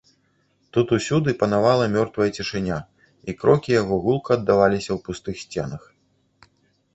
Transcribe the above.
Тут усюды панавала мёртвая цішыня, і крокі яго гулка аддаваліся ў пустых сценах.